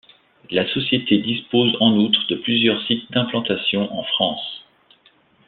La société dispose en outre de plusieurs sites d’implantation en France.